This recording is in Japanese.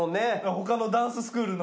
他のダンススクールの。